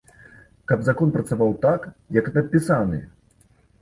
Каб закон працаваў так, як напісаны.